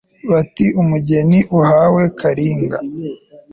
bati umugeni uhawe kalinga